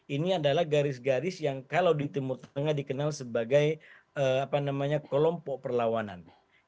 ini adalah garis garis yang kalau di timur tengah dikenal sebagai kelompok perlawanan